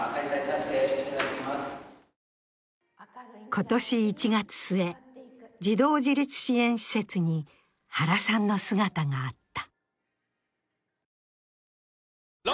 今年１月末、児童自立支援施設に原さんの姿があった。